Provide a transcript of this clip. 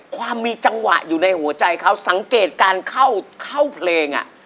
ความมีจังหวะอยู่ในหัวใจเขาสังเกตการเข้าเพลง